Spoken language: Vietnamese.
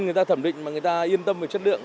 người ta thẩm định mà người ta yên tâm về chất lượng